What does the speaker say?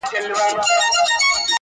o اور او اوبه یې د تیارې او د رڼا لوري.